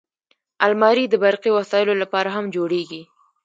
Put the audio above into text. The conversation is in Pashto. الماري د برقي وسایلو لپاره هم جوړیږي